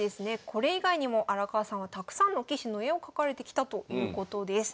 これ以外にも荒川さんはたくさんの棋士の絵を描かれてきたということです。